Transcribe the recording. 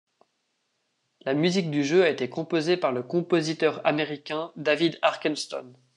La musique du jeu a été composée par le compositeur américain David Arkenstone.